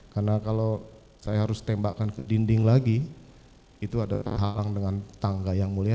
karena kalau saya harus tembakan ke dinding lagi itu ada halang dengan tangga ya mulia